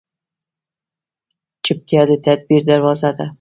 چپتیا، د تدبیر دروازه ده.